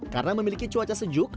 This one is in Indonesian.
karena memiliki cuaca sejuk